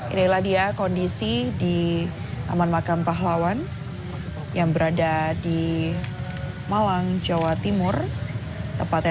inilah dia kondisi di taman makam pahlawan yang berada di malang jawa timur tepatnya